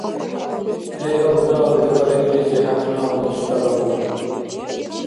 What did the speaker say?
– Эй абдал, – викӀар илизи хӀякнала уста Рабун.